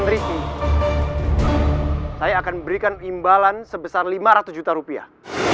saya akan berikan imbalan sebesar lima ratus juta rupiah